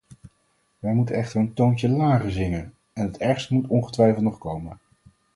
Wij moeten echter een toontje lager zingen en het ergste moet ongetwijfeld nog komen.